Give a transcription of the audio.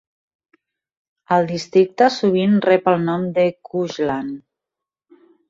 El districte sovint rep el nom de Cuxland.